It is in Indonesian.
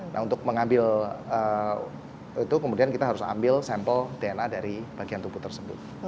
nah untuk mengambil itu kemudian kita harus ambil sampel dna dari bagian tubuh tersebut